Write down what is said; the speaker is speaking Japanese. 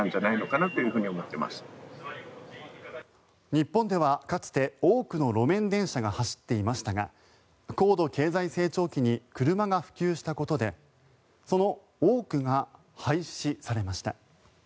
日本ではかつて多くの路面電車が走っていましたが高度経済成長期に車が普及したことでその多くが廃止されました。